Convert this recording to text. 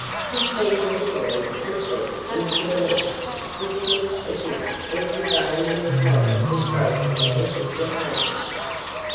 He seemed literally twisted into a knot which looked as if every bone in his body was broken or dislocated.